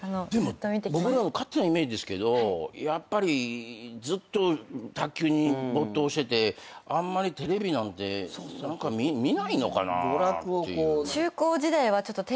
でも僕らの勝手なイメージですけどやっぱりずっと卓球に没頭しててあんまりテレビなんて見ないのかなっていう。